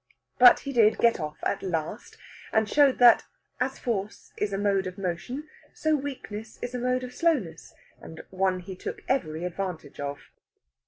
But he did get off at last, and showed that, as Force is a mode of motion, so Weakness is a mode of slowness, and one he took every advantage of.